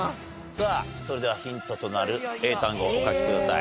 さあそれではヒントとなる英単語をお書きください。